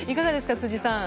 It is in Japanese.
辻さん。